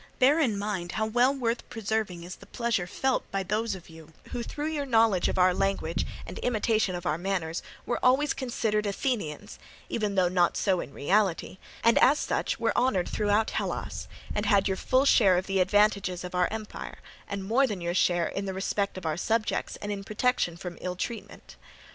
Bear in mind how well worth preserving is the pleasure felt by those of you who through your knowledge of our language and imitation of our manners were always considered Athenians, even though not so in reality, and as such were honoured throughout Hellas, and had your full share of the advantages of our empire, and more than your share in the respect of our subjects and in protection from ill treatment.